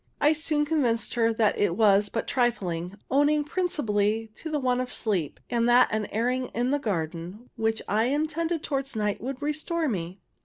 I soon convinced her that it was but trifling, owing principally to the want of sleep, and that an airing in the garden, which I intended towards night, would restore me.